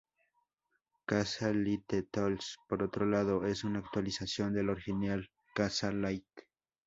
Kazaa Lite Tools por otro lado, es una actualización del original Kazaa Lite.